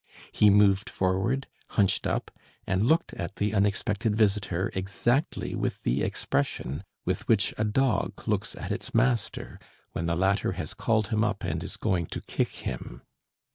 He moved forward, hunched up, and looked at the unexpected visitor exactly with the expression with which a dog looks at its master when the latter has called him up and is going to kick him.